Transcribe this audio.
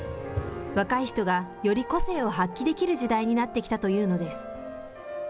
若い人がより個性を発揮できる時代になってきたというのです。